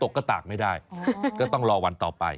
กระตากไม่ได้ก็ต้องรอวันต่อไป